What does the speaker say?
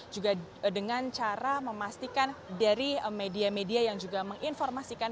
juga dengan cara memastikan dari media media yang juga menginformasikan